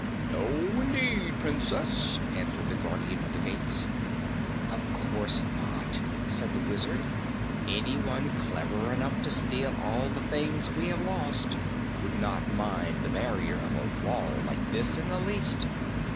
"No indeed, Princess," answered the Guardian of the Gates. "Of course not," said the Wizard. "Anyone clever enough to steal all the things we have lost would not mind the barrier of a wall like this in the least.